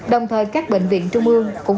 đồng thời các bệnh viện trung ương